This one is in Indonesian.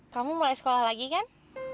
kamu mulai sekolah lagi kan